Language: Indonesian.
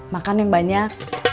makan yang banyak